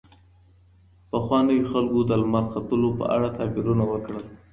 پخوانیو خلګو د لمر ختلو په اړه تعبیرونه وکړل.